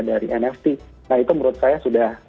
dari nft nah itu menurut saya sudah